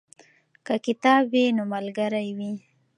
که کتاب وي نو ملګری وي.